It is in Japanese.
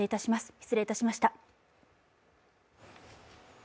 失礼いたしました。